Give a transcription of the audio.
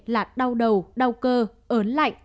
là đau đầu đau cơ ớn lạnh